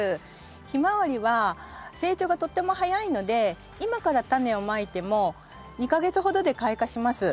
ヒマワリは成長がとっても早いので今からタネをまいても２か月ほどで開花します。